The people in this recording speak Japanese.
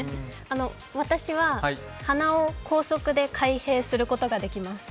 私は鼻を高速で開閉することができます。